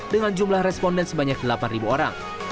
dengan jumlah responden sebanyak delapan orang